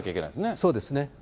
そうですね。